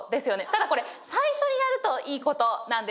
ただこれ最初にやるといいことなんですよね。